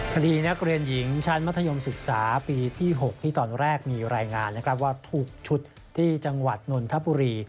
คดีนักเรียนหญิงชั้นมัธยมศึกษาปีที่๖ที่ตอนแรกมีรายงานนะครับว่าถูกชุดที่จังหวัดนนทบุรี